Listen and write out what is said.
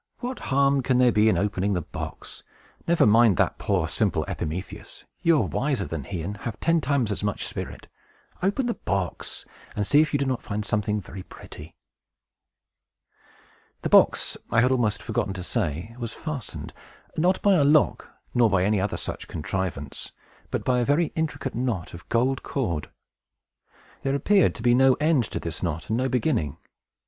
What harm can there be in opening the box? Never mind that poor, simple Epimetheus! You are wiser than he, and have ten times as much spirit. Open the box, and see if you do not find something very pretty!" The box, I had almost forgotten to say, was fastened; not by a lock, nor by any other such contrivance, but by a very intricate knot of gold cord. There appeared to be no end to this knot, and no beginning.